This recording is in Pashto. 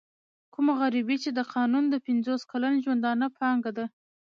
کومه غريبي چې د قانع د پنځوس کلن ژوندانه پانګه ده.